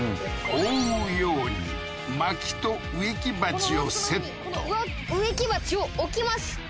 覆うように薪と植木鉢をセット植木鉢を置きます